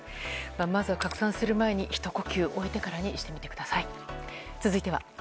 まずは拡散する前にひと呼吸置いてからにしてみてください。